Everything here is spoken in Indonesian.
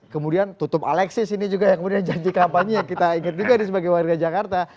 kemudian tutup alexis ini juga yang kemudian janji kampanye kita ingat juga nih sebagai warga jakarta